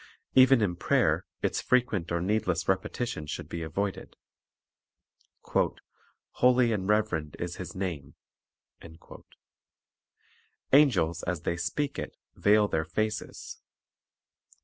Even in prayer its frequent or needless repetition should be avoided. "Holy and reverend is His name." 5 Angels, as they speak it, veil their faces.